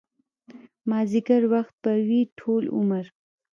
مازديګر وخت به وي ټول عمر